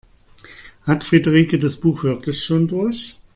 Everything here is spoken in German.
Hat Friederike das Buch wirklich schon durch?